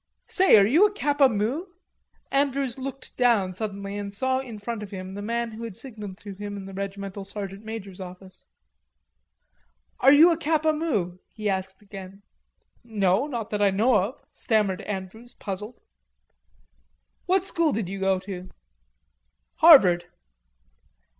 "Say are you a Kappa Mu?" Andrews looked down suddenly and saw in front of him the man who had signalled to him in the regimental sergeant major's office. "Are you a Kappa Mu?" he asked again. "No, not that I know of," stammered Andrews puzzled. "What school did you go to?" "Harvard."